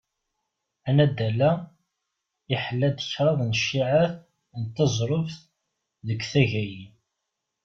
Anaddal-a, iḥella-d kraḍ n cciεat n teẓruft deg taggayin.